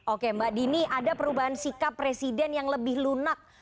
oke mbak dini ada perubahan sikap presiden yang lebih lunak